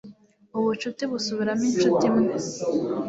ubucuti busubiramo inshuti imwe